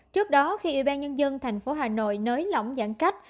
trước đó khi ubnd thành phố hà nội nới lỏng giãn cách